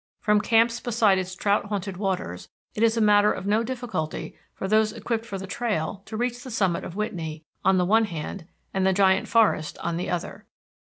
From camps beside its trout haunted waters, it is a matter of no difficulty for those equipped for the trail to reach the summit of Whitney, on the one hand, and the Giant Forest on the other.